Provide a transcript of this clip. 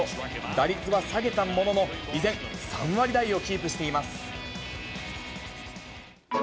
打率は下げたものの、依然、３割台をキープしています。